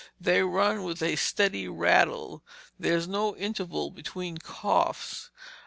They run with a steady rattle. There's no interval between coughs.